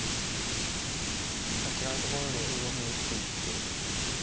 違うところに打っていって。